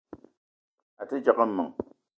A te djegue meng.